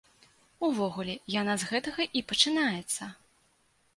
Увогуле, яна з гэтага і пачынаецца.